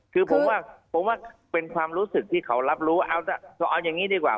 คือผมว่าผมว่าเป็นความรู้สึกที่เขารับรู้เอาอย่างนี้ดีกว่า